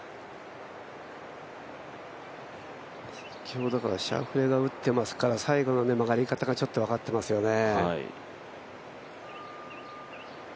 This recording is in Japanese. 先ほどシャウフェレが打ってますから最後の曲がり方がちょっと分かってますよね。